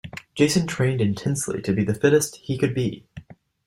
Jason trained intensely to be the fittest he could be.